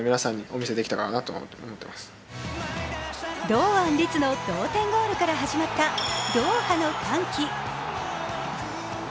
堂安律の同点ゴールから始まったドーハの歓喜。